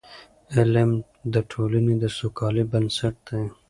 علم د ټولني د سوکالۍ بنسټ دی.